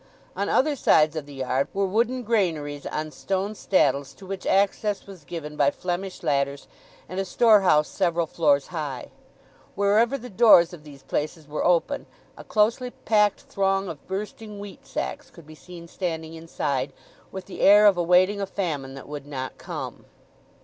On other sides of the yard were wooden granaries on stone staddles, to which access was given by Flemish ladders, and a store house several floors high. Wherever the doors of these places were open, a closely packed throng of bursting wheat sacks could be seen standing inside, with the air of awaiting a famine that would not come.